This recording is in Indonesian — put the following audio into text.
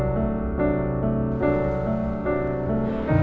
apa yang kamu lakukan